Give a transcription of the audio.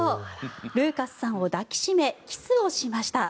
ルーカスさんを抱き締めキスをしました。